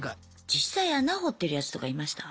実際穴掘ってるやつとかいました？